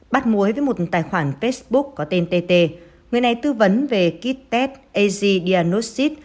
bắt muối với một tài khoản facebook có tên tt người này tư vấn về kit test az dianoxid